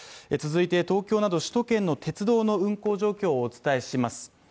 続いて東京など首都圏の鉄道の運行状況をお伝えします。